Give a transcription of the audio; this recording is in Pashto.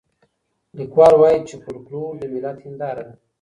ليکوال وايي چي فولکلور د ملت هنداره ده.